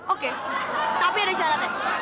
oke tapi ada syaratnya